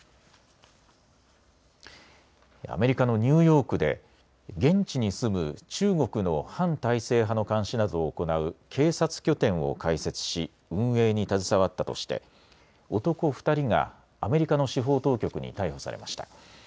アメリカのニューヨークで現地に住む中国の反体制派の監視などを行う警察拠点を開設し運営に携わったとして男２人がアメリカの司法当局に逮捕されました。